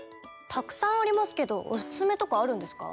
たくさんありますけどオススメとかあるんですか？